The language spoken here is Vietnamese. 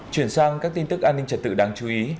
chuyển sang các tin tức an ninh trật tự đáng chú ý